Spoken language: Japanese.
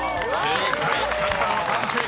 ［正解。